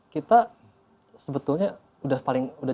kita sebetulnya sudah